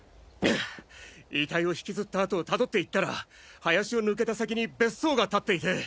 遺体を引きずった跡をたどって行ったら林を抜けた先に別荘が建っていて。